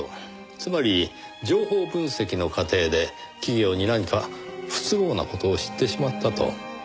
つまり情報分析の過程で企業に何か不都合な事を知ってしまったと。